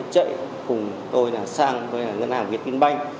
chạy cùng tôi sang ngân hàng việt tinh banh